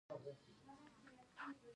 چترۍ د باران مخه نیسي